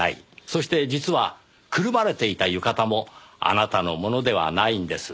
そして実はくるまれていた浴衣もあなたのものではないんです。